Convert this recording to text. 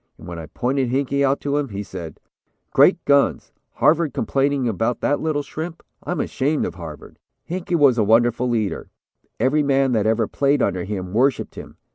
And when I pointed Hinkey out to him, he said: "'Great guns, Harvard complaining about that little shrimp, I'm ashamed of Harvard.' "Hinkey was a wonderful leader. Every man that ever played under him worshipped him.